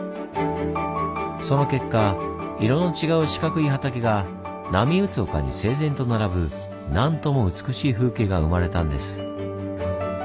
その結果色の違う四角い畑が波打つ丘に整然と並ぶなんとも美しい風景が生まれたんです。